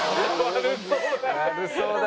悪そうな。